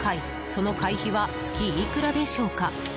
その会費は月いくらでしょうか。